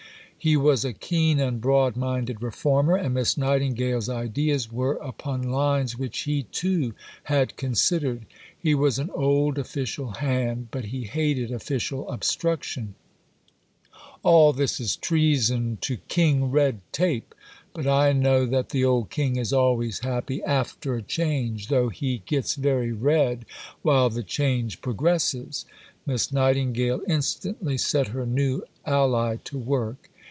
He was a keen and broad minded reformer, and Miss Nightingale's ideas were upon lines which he too had considered. He was an old official hand, but he hated official obstruction: "all this is treason to King Red Tape, but I know that the old King is always happy after a change, though he gets very red while the change progresses." Miss Nightingale instantly set her new ally to work.